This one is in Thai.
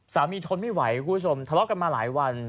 ทนไม่ไหวคุณผู้ชมทะเลาะกันมาหลายวัน